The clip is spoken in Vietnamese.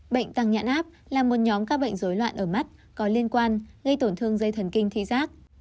bệnh tăng nhãn áp là một nhóm các bệnh dối loạn ở mắt có liên quan gây tổn thương dây thần kinh thi giác